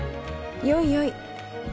よいよい。